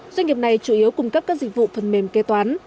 doanh nghiệp này chủ yếu cung cấp các dịch vụ phần mềm kê toán